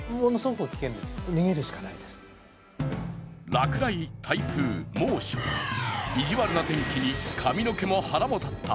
落雷、台風、猛暑、意地悪な天気に髪の毛も腹も立った。